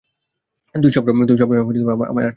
তুই সবসময়ই আমায় আঁটকে ধরিস।